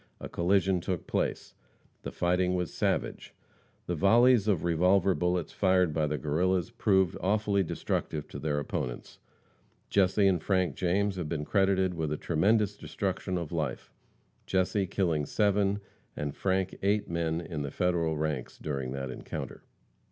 A collision took place. The fighting was savage. The volleys of revolver bullets fired by the Guerrillas proved awfully destructive to their opponents. Jesse and Frank James have been credited with a tremendous destruction of life Jesse killing seven, and, Frank eight men in the Federal ranks during that encounter.